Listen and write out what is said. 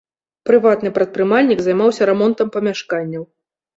Прыватны прадпрымальнік, займаўся рамонтам памяшканняў.